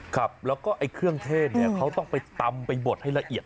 ครับแล้วก็ไอ้เครื่องเทศเนี่ยเขาต้องไปตำไปบดให้ละเอียด